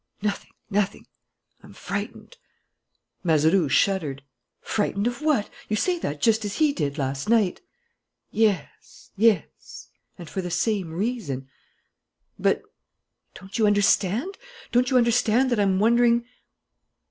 "Nothing nothing. I'm frightened " Mazeroux shuddered. "Frightened of what? You say that just as he did last night." "Yes ... yes ... and for the same reason." "But ?" "Don't you understand? Don't you understand that I'm wondering